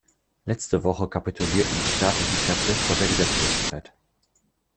Letzte Woche kapitulierten die staatlichen Kräfte vor der Gesetzlosigkeit.